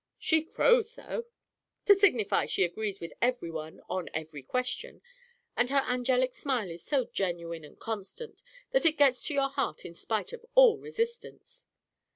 "She crows, though." "To signify she agrees with everyone on every question; and her angelic smile is so genuine and constant that it gets to your heart in spite of all resistance."